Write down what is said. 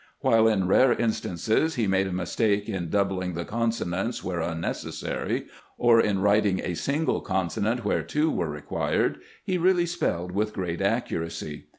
"While in rare instances he made a mistake in doubling the consonants where unneces sary, or in writing a single consonant where two were required, he really spelled with great accuracy.